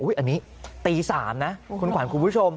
อันนี้ตี๓นะคุณขวัญคุณผู้ชม